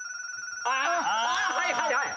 「はいはいはい！」